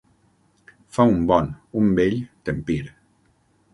Fa un bon, un bell, tempir.